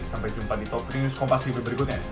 sampai jumpa di top tiga news kompas tv berikutnya